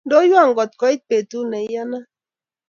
Indoywa kot koit betut ne iyanat